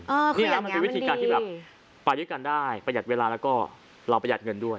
นี่นะมันเป็นวิธีการที่แบบไปด้วยกันได้ประหยัดเวลาแล้วก็เราประหยัดเงินด้วย